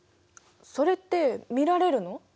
それって見られるの？